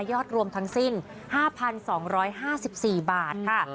รวมทั้งสิ้น๕๒๕๔บาทค่ะ